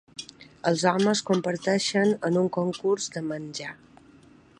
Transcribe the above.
Els homes competeixen en un concurs de menjar.